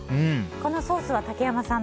このソースは竹山さん